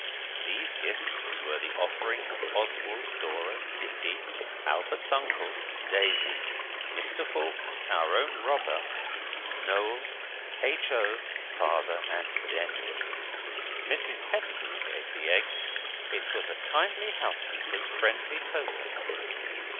These gifts were the offerings of Oswald, Dora, Dicky, Albert's uncle, Daisy, Mr Foulkes (our own robber), Noel, H. O., father and Denny. Mrs Pettigrew gave the egg. It was a kindly housekeeper's friendly token.